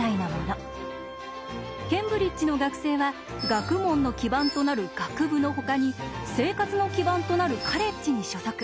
ケンブリッジの学生は学問の基盤となる学部のほかに生活の基盤となるカレッジに所属。